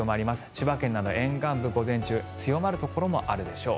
千葉県などでも午前中強まるところもあるでしょう。